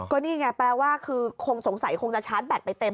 ก็นี่ไงแปลว่าคือคงสงสัยคงจะชาร์จแบตไปเต็ม